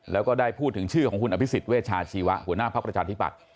แล้วก็ได้พูดถึงชื่อของคุณอภิษฎเวชาชีวะหัวหน้าภักดิ์ประชาธิบัติ